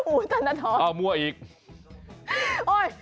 อูตันทองอ้าวมั่วอีกมั่วได้อีกโอ้ย